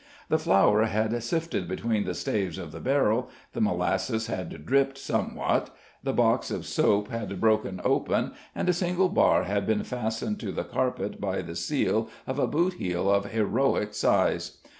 The flour had sifted between the staves of the barrel, the molasses had dripped somewhat, the box of soap had broken open and a single bar had been fastened to the carpet by the seal of a boot heel of heroic size.